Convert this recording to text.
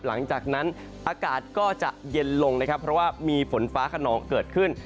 หลังจากนั้นอากาศก็จะเย็นลงนะครับเพราะว่ามีฝนฟ้าขนองเกิดขึ้น